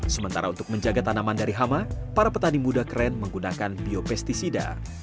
sementara untuk menjaga tanaman dari hama para petani muda keren menggunakan biopestisida